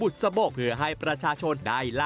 ซึ่งเป็นประเพณีที่มีหนึ่งเดียวในประเทศไทยและหนึ่งเดียวในโลก